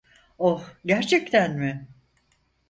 Oh, gerçekten mi?